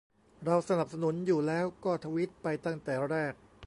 เราสนับสนุนอยู่แล้ว ก็ทวีตไปตั้งแต่แรก